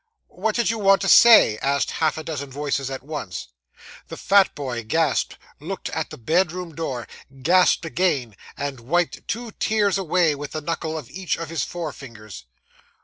'What did you want to say?' asked half a dozen voices at once. The fat boy gasped, looked at the bedroom door, gasped again, and wiped two tears away with the knuckle of each of his forefingers.